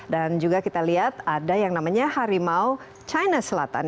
dan juga kita lihat ada yang namanya harimau china selatan